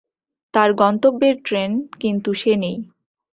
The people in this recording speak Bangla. তার গন্তব্যের ট্রেন কিন্তু সে নেই।